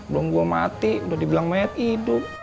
belum gua mati udah dibilang mayat hidup